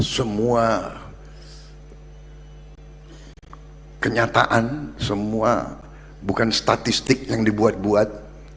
semua kenyataan semua bukan statistik yang dibuat buat